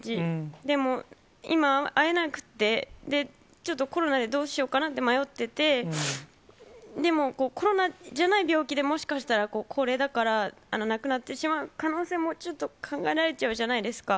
でも今、会えなくって、ちょっとコロナでどうしようかなって迷ってて、でもコロナじゃない病気で、もしかしたら、高齢だから亡くなってしまう可能性もちょっと考えられちゃうじゃないですか。